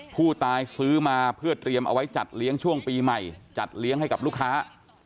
ผู้ตายซื้อมาเพื่อเตรียมเอาไว้จัดเลี้ยงช่วงปีใหม่จัดเลี้ยงให้กับลูกค้า